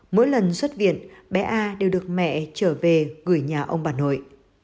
mỗi lần xuất viện bé a đều được mẹ trở về gửi nhà ông bà nội